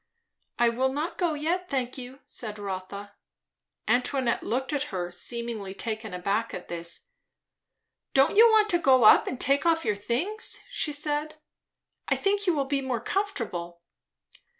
"I will not go yet, thank you," said Rotha. Antoinette looked at her, seemingly taken aback at this. "Don't you want to go up and take off your things?" she said. "I think you will be more comfortable."